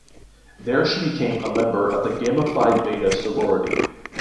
There she became a member of the Gamma Phi Beta sorority.